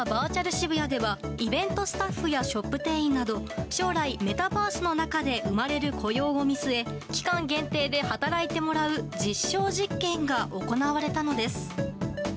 渋谷ではイベントスタッフやショップ店員など将来、メタバースの中で生まれる雇用を見据え期間限定で働いてもらう実証実験が行われたのです。